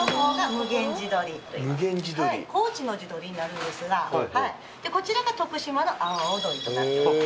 無玄地鶏・高知の地鶏になるんですがこちらが徳島の阿波尾鶏となっております